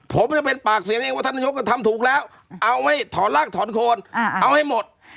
ผมจะเป็นปากเสียงเองว่าท่านนายกก็ทำถูกแล้วเอาไม่ถอนรากถอนโคนเอาให้หมด